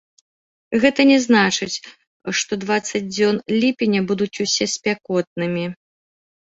Гэта не значыць, што дваццаць дзён ліпеня будуць усе спякотнымі.